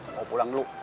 mau pulang dulu